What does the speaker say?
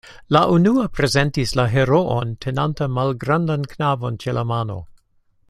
La unua prezentis la heroon, tenanta malgrandan knabon ĉe la mano.